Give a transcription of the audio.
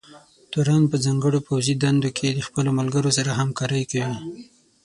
تورن په ځانګړو پوځي دندو کې د خپلو ملګرو سره همکارۍ کوي.